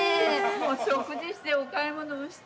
もう食事してお買い物もして。